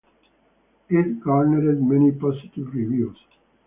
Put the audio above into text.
It garnered many positive reviews.